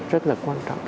rất là quan trọng